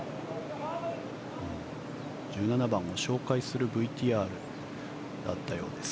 １７番を紹介するＶＴＲだったようです。